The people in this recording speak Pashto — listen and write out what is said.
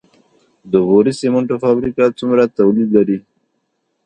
د غوري سمنټو فابریکه څومره تولید لري؟